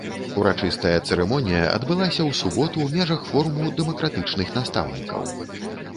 Урачыстая цырымонія адбылася ў суботу ў межах форуму дэмакратычных настаўнікаў.